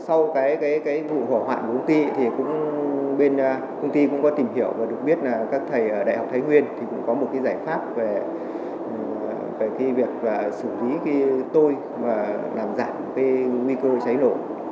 sau vụ hỏa hoạn của công ty công ty cũng có tìm hiểu và được biết các thầy ở đại học thái nguyên có một giải pháp về việc xử lý tôi và làm giảm nguy cơ cháy nổ